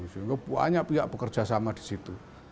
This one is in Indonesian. sehingga banyak pihak bekerja sama di situ